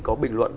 có bình luận